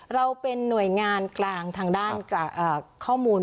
เราเป็นหน่วยงานกลางทางด้านข้อมูล